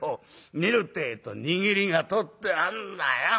見るってえと握りが取ってあんだよ。